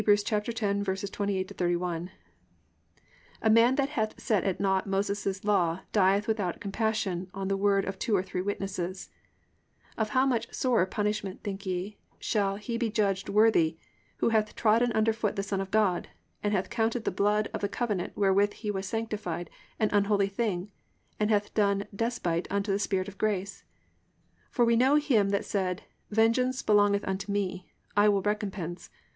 10:28 31: +"A man that hath set at nought Moses' law dieth without compassion on the word of two or three witnesses: (29) Of how much sorer punishment, think ye, shall he be judged worthy, who hath trodden under foot the Son of God? and hath counted the blood of the covenant wherewith he was sanctified an unholy thing, and hath done despite unto the Spirit of grace? (30) For we know him that said, Vengeance belongeth unto me, I will recompense.